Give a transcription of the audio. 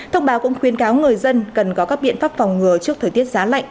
thông báo cũng khuyên cáo người dân cần có các biện pháp phòng ngừa trước thời tiết giá lạnh